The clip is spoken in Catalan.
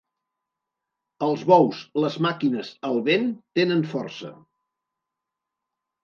Els bous, les màquines, el vent, tenen força.